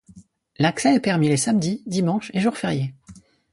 L'accès est permis les samedis, dimanches et jours fériés.